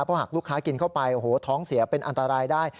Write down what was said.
เพราะหากลูกค้ากินเข้าไปโอ้โหท้องเสียเป็นอันตรายได้